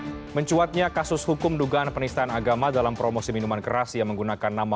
hai mencuatnya kasus hukum dugaan penistaan agama dalam promosi minuman keras yang menggunakan nama